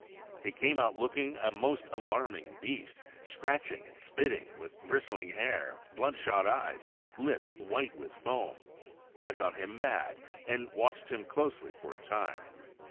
He came out looking a most alarming beast, scratching and spitting, with bristling hair, bloodshot eyes, lips white with foam. I thought him mad and watched him closely for a time.